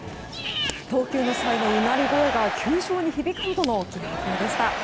投球の際のうなり声が球場に響くほどの気迫でした。